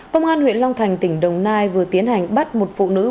công an huyện long thành tỉnh đồng nai vừa tiến hành bắt một phụ nữ